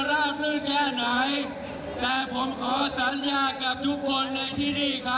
รับรองได้ว่างานนี้ต้องกำไปทั่วโลกและต้องดีขึ้นทุกปีค่ะ